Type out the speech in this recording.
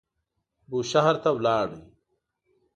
بوشهر ته ولاړ.